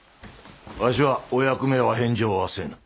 わしはお役目は返上はせぬ。